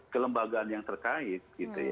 kelembagaan yang terkait